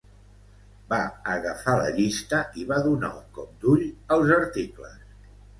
Va agafar la llista i va donar un cop d'ull als articles.